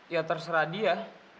ya terserah dia